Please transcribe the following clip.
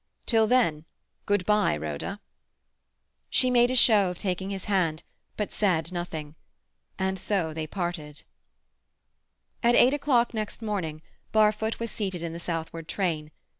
Till then—good bye, Rhoda." She made a show of taking his hand, but said nothing. And so they parted. At eight o'clock next morning Barfoot was seated in the southward train.